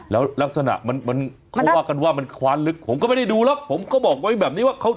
แล้วลักษณะมันเขาว่ากันว่ามันคว้านลึกผมก็ไม่ได้ดูหรอกผมก็บอกไว้แบบนี้ว่าเขา